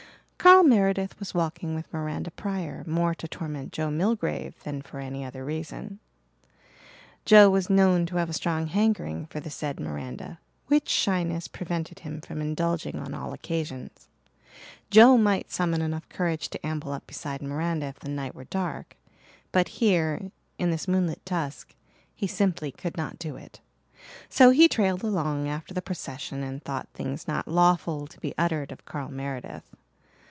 Carl Meredith was walking with Miranda Pryor, more to torment Joe Milgrave than for any other reason. Joe was known to have a strong hankering for the said Miranda, which shyness prevented him from indulging on all occasions. Joe might summon enough courage to amble up beside Miranda if the night were dark, but here, in this moonlit dusk, he simply could not do it. So he trailed along after the procession and thought things not lawful to be uttered of Carl Meredith.